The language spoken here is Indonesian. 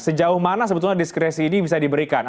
sejauh mana sebetulnya diskresi ini bisa diberikan